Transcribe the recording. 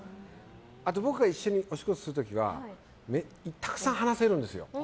あと、僕が一緒にお仕事する時はたくさん話せるんですよ。